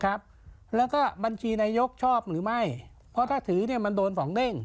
ครับแล้วก็บัญชีนายกชอบหรือไม่เพราะถ้าถือเนี่ยมันโดนสองเด้ง